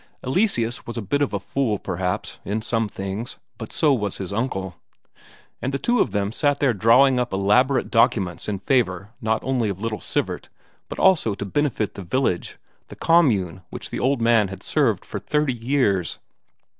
Eleseus was a bit of a fool, perhaps, in some things, but so was his uncle; and the two of them sat there drawing up elaborate documents in favour not only of little Sivert but also to benefit the village, the commune which the old man had served for thirty years.